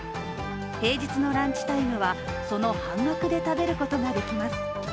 平日のランチタイムはその半額で食べることができます。